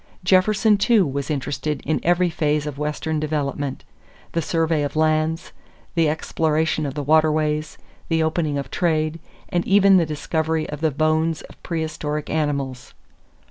Jefferson, too, was interested in every phase of Western development the survey of lands, the exploration of waterways, the opening of trade, and even the discovery of the bones of prehistoric animals.